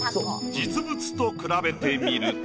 実物と比べてみると。